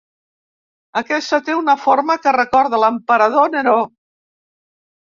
Aquesta té una forma que recorda l'emperador Neró.